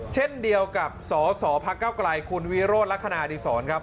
เช่นเดียวกับสสพักเก้าไกลคุณวิโรธลักษณะอดีศรครับ